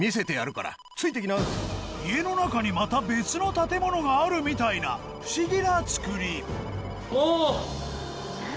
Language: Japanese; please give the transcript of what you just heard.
家の中にまた別の建物があるみたいな不思議な造りおお！